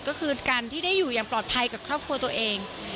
ก็คือการที่ได้อยู่อย่างปลอดภัยกับครอบครัวตัวเอง